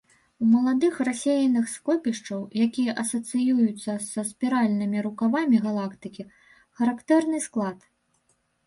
У маладых рассеяных скопішчаў, якія асацыююцца са спіральнымі рукавамі галактыкі, характэрны склад.